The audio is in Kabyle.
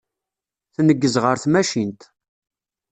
Tneggez ɣer tmacint.